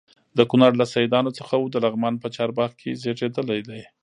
د کونړ له سیدانو څخه و د لغمان په چارباغ کې زیږېدلی دی.